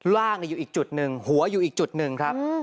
ล่างอยู่อีกจุดหนึ่งหัวอยู่อีกจุดหนึ่งครับ